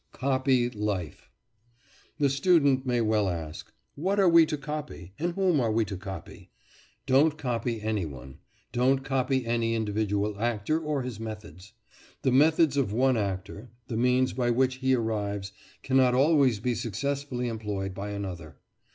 COPY LIFE The student may well ask, "What are we to copy, and whom are we to copy?" Don't copy any one; don't copy any individual actor, or his methods. The methods of one actor the means by which he arrives cannot always be successfully employed by another.